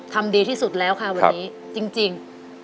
ทำดีที่สุดแล้วค่ะวันนี้จริง